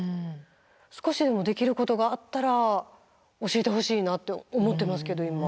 少しでもできることがあったら教えてほしいなって思ってますけど今。